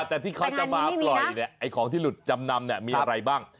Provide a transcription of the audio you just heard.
แต่ที่เขาจะมาปล่อยของที่หลุดจำนำมีอะไรบ้าง